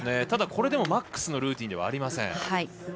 ただ、これでもマックスのルーティンではない。